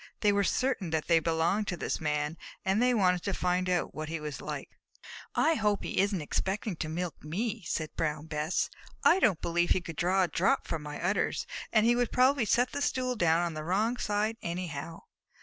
They were certain that they belonged to this Man, and they wanted to find out what he was like. "I hope he isn't expecting to milk me," said Brown Bess. "I don't believe he could draw a drop from my udders, and he would probably set the stool down on the wrong side anyhow."